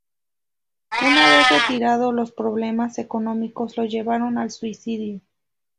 Una vez retirado, los problemas económicos lo llevaron al suicidio.